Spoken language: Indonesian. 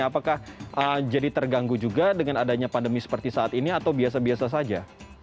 apakah jadi terganggu juga dengan adanya pandemi seperti saat ini atau biasa biasa saja